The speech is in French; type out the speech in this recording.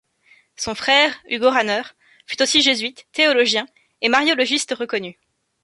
Son frère Hugo Rahner fut aussi jésuite, théologien et mariologiste reconnu.